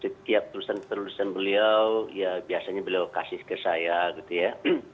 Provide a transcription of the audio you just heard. setiap tulisan tulisan beliau biasanya beliau kasih ke saya